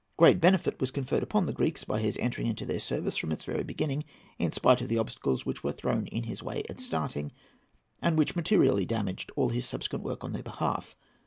Great benefit was conferred upon the Greeks by his entering into their service from its very beginning, in spite of the obstacles which were thrown in his way at starting, and which materially damaged all his subsequent work on their behalf.